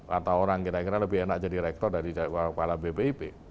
atau orang kira kira lebih enak jadi rektor dari kepala bpip